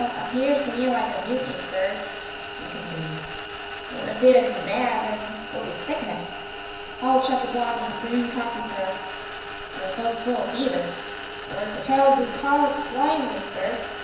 Appears to me like a mutiny, sir," he continued. " Or if it isn't that, then it'll be sickness. Hold chock a block with green coffee, perhaps, and the fo'ksle full of fever. Or suppose you reckon it's blindness, sir?